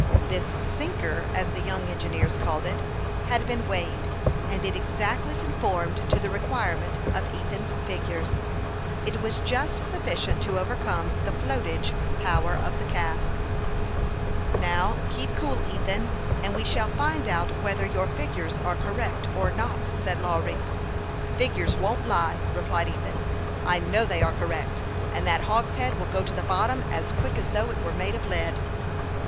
This " sinker," as the young engineers called it, had been weighed, and it exactly conformed to the requirement of Ethan's figures ; it was just sufficient to overcome the flotage power of the cask. " Now, keep cool, Ethan, and we shall find out whether your figures are correct or not,'' said Lawry, 10 110 HASTE AND WASTE, OR as the cask was rolled up to the aperture in the raft. " Figures won't lie," replied Ethan ;" I know they are correct, and that hogshead will go to the bottom as quick as though it were made of lead."